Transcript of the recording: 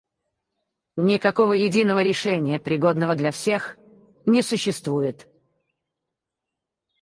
Никакого единого решения, пригодного для всех, не существует.